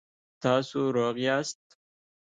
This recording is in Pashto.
تاسو روغ یاست؟